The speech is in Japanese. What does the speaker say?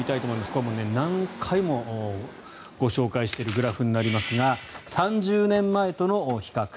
これは何回もご紹介しているグラフになりますが３０年前との比較。